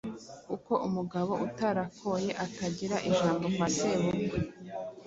kuko umugabo utarakoye atagiraga ijambo kwa sebukwe.